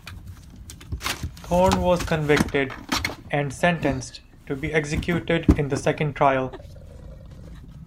Thorne was convicted and sentenced to be executed in the second trial.